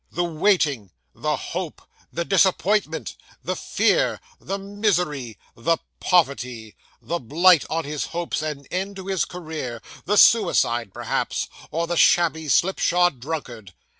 The waiting the hope the disappointment the fear the misery the poverty the blight on his hopes, and end to his career the suicide perhaps, or the shabby, slipshod drunkard.